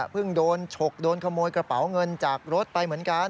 โดนฉกโดนขโมยกระเป๋าเงินจากรถไปเหมือนกัน